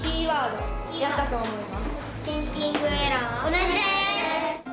同じです。